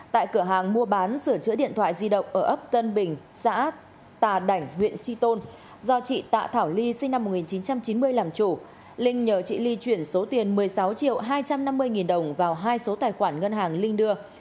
tại cửa hàng mua bán sửa chữa điện thoại di động ở ấp tân bình xã tà đảnh huyện tri tôn do chị tạ thảo ly sinh năm một nghìn chín trăm chín mươi làm chủ linh nhờ chị ly chuyển số tiền một mươi sáu triệu hai trăm năm mươi nghìn đồng vào hai số tài khoản ngân hàng linh đưa